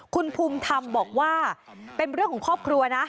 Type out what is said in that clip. คุณภูมิธรรมบอกว่าเป็นเรื่องของครอบครัวนะ